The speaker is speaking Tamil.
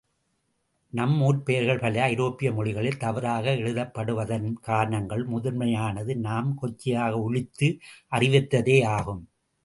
நம் ஊர்ப் பெயர்கள் பல, ஐரோப்பிய மொழிகளில் தவறாக எழுதப்படுவதன் காரணங்களுள் முதன்மையானது, நாம் கொச்சையாக ஒலித்து அறிவித்ததேயாகும்.